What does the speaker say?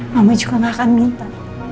kamu juga gak akan minta